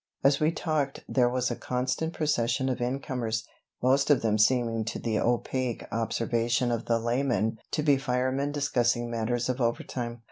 As we talked there was a constant procession of in comers, most of them seeming to the opaque observation of the layman to be firemen discussing matters of overtime.